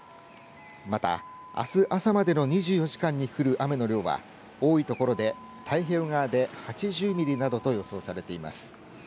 また、あす朝までの２４時間に降る雨の量は多い所で太平洋側で８０ミリなどと予想されています。